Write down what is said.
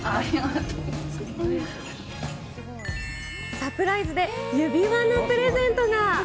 サプライズで指輪のプレゼントが。